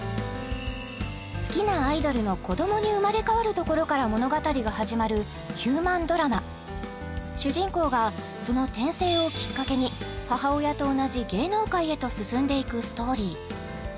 好きなアイドルの子どもに生まれ変わるところから物語が始まるヒューマンドラマ主人公がその転生をきっかけに母親と同じ芸能界へと進んでいくストーリー